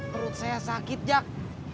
perut saya sakit jack